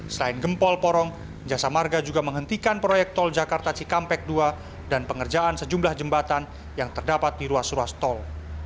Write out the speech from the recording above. selain gempol porong jasa marga juga menghentikan proyek tol jakarta cikampek dua dan pengerjaan sejumlah jembatan yang terdapat di ruas ruas tol